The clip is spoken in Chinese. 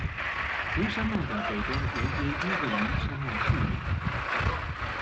红山脉的北端连接英格林山脉甚远。